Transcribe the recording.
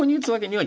はい。